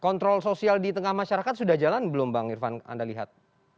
kontrol sosial di tengah masyarakat sudah jalan belum bang irvan anda lihat